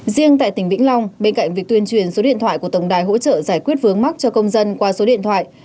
riêng tại tỉnh vĩnh long bên cạnh việc tuyên truyền số điện thoại của tổng đài hỗ trợ giải quyết vướng mắc cho công dân qua số điện thoại